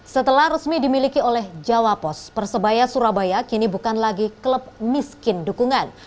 setelah resmi dimiliki oleh jawa post persebaya surabaya kini bukan lagi klub miskin dukungan